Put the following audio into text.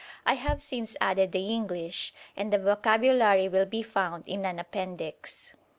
I have since added the English, and the vocabulary will be found in an appendix.